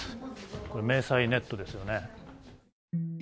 これ、迷彩ネットですよね。